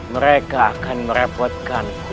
mereka akan merepotkanku